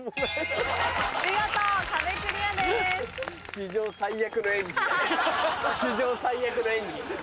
史上最悪の演技。